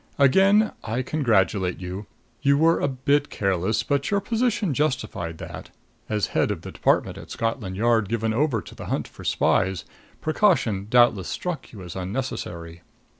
Again I congratulate you. You were a bit careless, but your position justified that. As head of the department at Scotland Yard given over to the hunt for spies, precaution doubtless struck you as unnecessary.